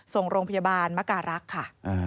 ส่งโรงพยาบาลมการรักษ์ค่ะ